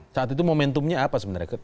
saat itu momentumnya apa sebenarnya